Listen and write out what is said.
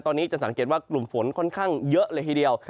ตอนนี้จะสังเกตว่ากลุ่มฝนค่อนข้างเยอะเลยทีเดียว